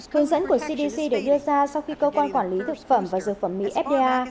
hướng dẫn của cdc được đưa ra sau khi cơ quan quản lý thực phẩm và dược phẩm mỹ fda